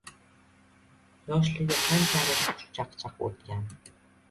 yoshligi qanchalik xushchaqchaq o‘tgan